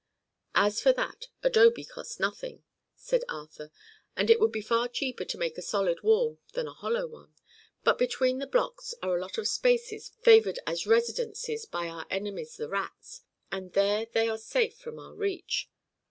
"As for that, adobe costs nothing," said Arthur, "and it would be far cheaper to make a solid wall than a hollow one. But between the blocks are a lot of spaces favored as residences by our enemies the rats, and there they are safe from our reach."